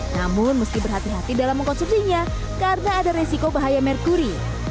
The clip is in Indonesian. namun mesti berhati hati dalam mengkonsumsinya karena ada resiko bahaya merkuri